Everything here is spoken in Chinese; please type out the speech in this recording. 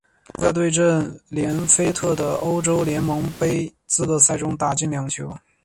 他在对阵连菲特的欧洲联盟杯资格赛中打进二球。